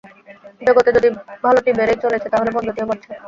জগতে যদি ভালটি বেড়েই চলেছে, তাহলে মন্দটিও বাড়ছে।